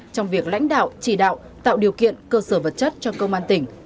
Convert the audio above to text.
trong việc lãnh đạo chỉ đạo tạo điều kiện cơ sở vật chất cho công an tỉnh